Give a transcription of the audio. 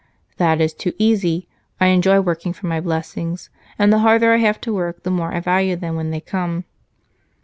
"That is too easy. I enjoy working for my blessings, and the harder I have to work, the more I value them when they come."